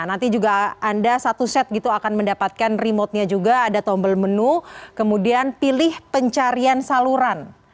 nanti juga anda satu set gitu akan mendapatkan remotenya juga ada tombol menu kemudian pilih pencarian saluran